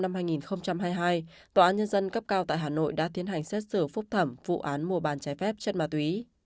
tòa án nhân dân cấp cao tại hà nội đã tiến hành xét xử phúc thẩm vụ án mùa bàn trái phép chất ma túy